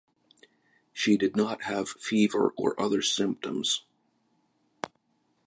She did not have fever or other symptoms.